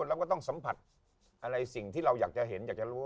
เราก็ต้องสัมผัสอะไรสิ่งที่เราอยากจะเห็นอยากจะรู้